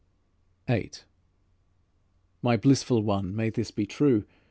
VIII "My blissful one, may this be true.